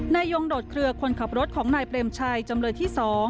นายยงโดดเคลือคนขับรถของนายเปรมชัยจำเลยที่๒